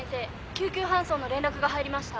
救急搬送の連絡が入りました」